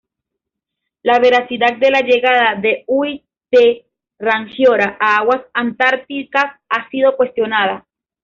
La veracidad de la llegada de Ui-te-Rangiora a aguas antárticas ha sido cuestionada.